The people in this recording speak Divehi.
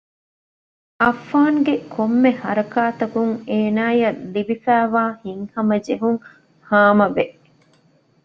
އައްފާންގެ ކޮންމެ ހަރަކާތަކުން އޭނާއަށް ލިބިފައިވާ ހިތްހަމަޖެހުން ހާމަވެ